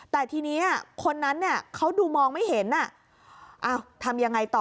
แต่ทีนี้คนนั้นเนี่ยเขาดูมองไม่เห็นทำยังไงต่อ